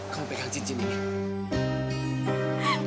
kamu pegang cincin ini